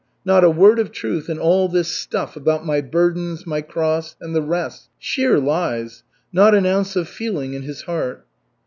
Not a word of truth in all this stuff about my burdens, my cross, and the rest. Sheer lies! Not an ounce of feeling in his heart!"